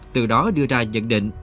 từ đó đưa ra nhận định